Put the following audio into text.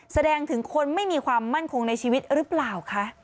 แสดงถึงคนไม่มีความมั่นคงในชีวิตหรือเปล่าคะ